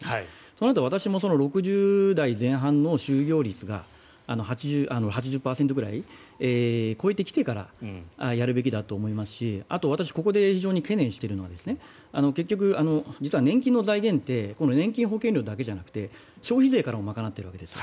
となると私も６０代前半の就業率が８０％ぐらいを超えてきてからやるべきだと思いますしあと、私がここで非常に懸念しているのは結局、実は年金の財源って年金保険料だけじゃなくて消費税からも賄っているわけです。